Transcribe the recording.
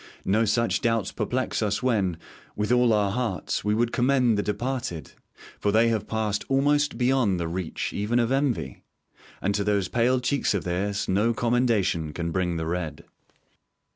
No such doubts perplex us when, with all our hearts, we would commend the departed; for they have passed almost beyond the reach even of envy; and to those pale cheeks of theirs no commendation can bring the red.